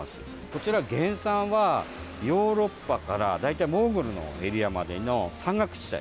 こちら原産はヨーロッパから大体、モンゴルのエリアまでの山岳地帯。